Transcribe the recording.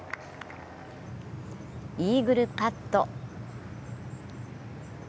イーグルパット。